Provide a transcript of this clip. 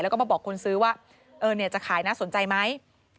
แล้วก็มาบอกคนซื้อว่าเออเนี่ยจะขายนะสนใจไหม